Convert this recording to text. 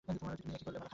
মালতী, তুই এ কি করলি?